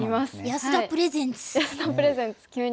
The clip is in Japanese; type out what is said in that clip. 安田プレゼンツ急に。